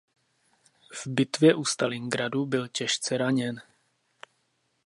V bitvě u Stalingradu byl těžce raněn.